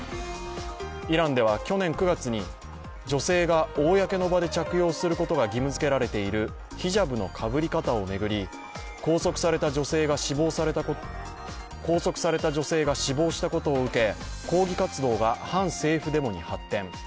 イランでは去年９月に女性が公の場で着用することが義務付けられているヒジャブのかぶり方を巡り拘束された女性が死亡したことを受け、抗議活動が反政府デモに発展。